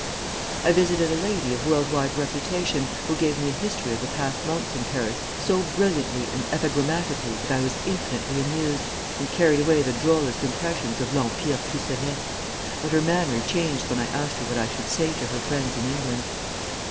"I visited a lady of world wide reputation, who gave me a history of the past months in Paris so brilliantly and epigrammatically that I was infinitely amused, and carried away the drollest impressions of L'Empire Cluseret; but her manner changed when I asked her what I should say to her friends in England.